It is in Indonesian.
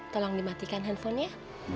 tolong dimatikan handphone ya